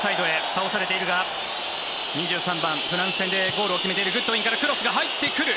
倒されているが２３番、フランス戦でゴールを決めているグッドウィンからクロスが入ってくる。